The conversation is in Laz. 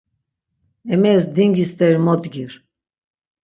Emeris dingi steri mo dgir.